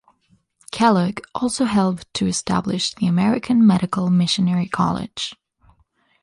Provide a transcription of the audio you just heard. Kellogg also helped to establish the American Medical Missionary College.